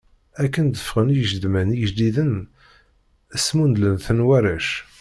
Akken d-ffɣen igeḍman ijdiden, smundlen-ten warrac.